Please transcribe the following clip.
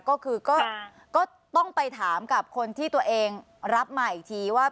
ก็คือก็ต้องไปถามกับคนที่ตัวเองรับมาอีกทีว่า